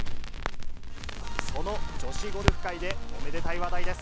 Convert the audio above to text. その女子ゴルフ界で、おめでたい話題です。